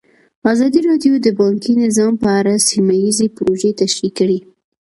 ازادي راډیو د بانکي نظام په اړه سیمه ییزې پروژې تشریح کړې.